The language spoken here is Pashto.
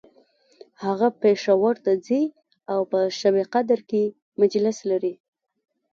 هغه پیښور ته ځي او په شبقدر کی مجلس لري